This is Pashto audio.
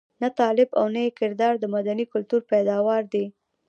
نه طالب او نه یې کردار د مدني کلتور پيداوار دي.